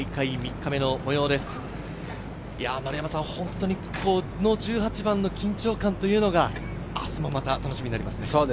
この１８番の緊張感というのが明日もまた楽しみになりますね。